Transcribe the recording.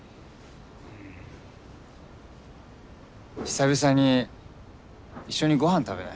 久々に一緒にごはん食べない？